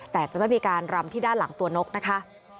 แต่จะไม่มีการรำที่ด้านหลังตัวนกนะคะ